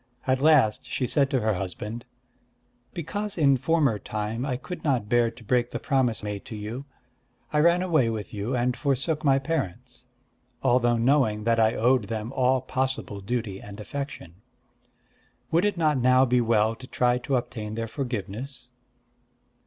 At last she said to her husband: "Because in former time I could not bear to break the promise made to you, I ran away with you and forsook my parents, although knowing that I owed them all possible duty and affection. Would it not now be well to try to obtain their forgiveness?"